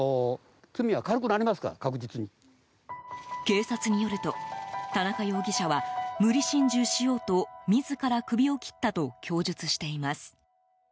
警察によると田中容疑者は無理心中しようと自ら首を切ったと供述しています。